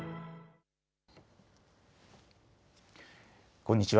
こんにちは。